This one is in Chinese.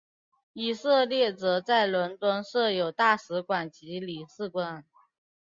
以色列则在伦敦设有大使馆及领事馆。